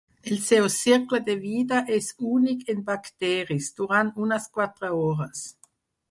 El seu cicle de vida és únic en bacteris, durant unes quatre hores.